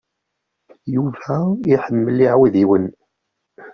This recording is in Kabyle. Yuba iḥemmel iɛudiwen.